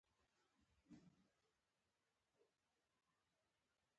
غوښتل یې چې کتابچه کثافاتو ته واچوي